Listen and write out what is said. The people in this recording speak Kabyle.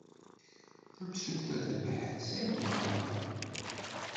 Tamsulta tebḥet Saɛid Waɛmaṛ.